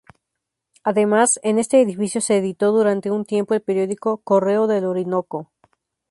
Además, en este edificio se editó durante un tiempo el periódico "Correo del Orinoco".